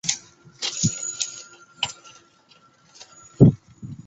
告别式后发引安厝于台北碧潭空军烈士公墓。